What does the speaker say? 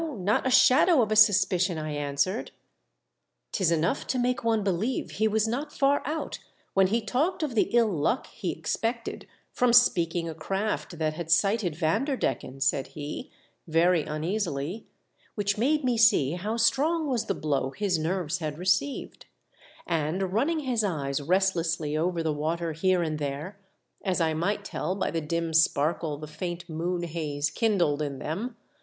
not a shadow of a suspicion," I answered. " 'Tis enough to make one believe he was not far out when he talked of the ill luck he expected from speaking a craft that had sighted Vanderdecken," said he, very un easily, which made mie see how strono was the blow his nerves had received ; and run ning his eyes restlessly over the water here and there, as I might tell by the diin sparkle the faint moon haze kindled in them.